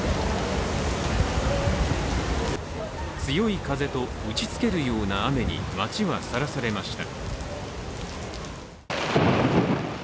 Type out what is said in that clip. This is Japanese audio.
強い風と打ちつけるような雨に街はさらされました。